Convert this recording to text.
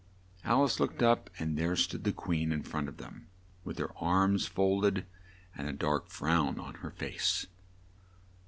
Al ice looked up and there stood the Queen in front of them with her arms fold ed, and a dark frown up on her face.